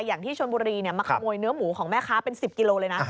อย่างที่ชนบุรีมาขโมยเนื้อหมูของแม่ค้าเป็น๑๐กิโลเลยนะ